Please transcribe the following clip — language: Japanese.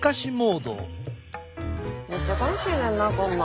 めっちゃ楽しいねんなこんなん。